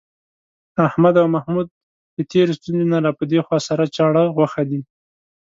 احمد او محمود د تېرې ستونزې نه را پدېخوا، سره چاړه غوښه دي.